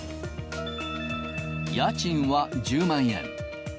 家賃は１０万円。